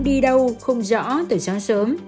đi đâu không rõ từ sáng sớm